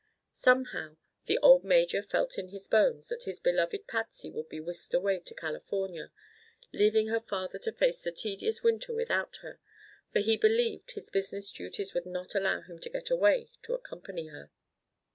Somehow, the old major "felt in his bones" that his beloved Patsy would be whisked away to California, leaving her father to face the tedious winter without her; for he believed his business duties would not allow him to get away to accompany her.